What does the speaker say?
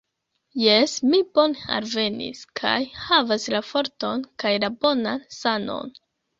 Jes, mi bone alvenis, kaj havas la forton kaj la bonan sanon